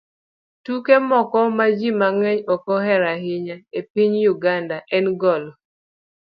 Tuke moko ma ji mang'eny ok ohero ahinya e piny Uganda en golf